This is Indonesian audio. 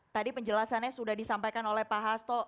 tadi penjelasannya sudah disampaikan oleh pak hasto